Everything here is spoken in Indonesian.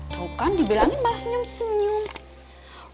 tau kan dibilangin malah senyum senyum